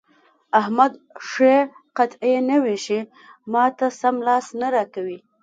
احمد ښې قطعې نه وېشي؛ ما ته سم لاس نه راکوي.